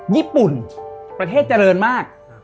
ญี่ปุ่นประเทศเจริญมาก